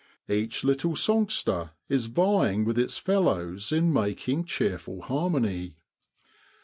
Each little songster is vying with its fellows in making cheerful harmony.